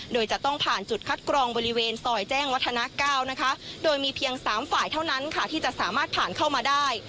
โดยจะต้องผ่านจุดคัดกรองบริเวณซอยแจ้งวัฒนา๙นะคะโดยมีเพียง๓ฝ่ายเท่านั้นค่ะที่จะสามารถผ่านเข้ามาได้